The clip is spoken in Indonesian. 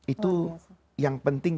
itu yang penting